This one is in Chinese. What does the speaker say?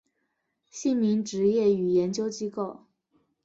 姓名职业与研究机构